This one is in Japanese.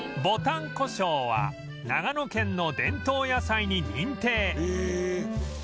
ぼたんこしょうは長野県の伝統野菜に認定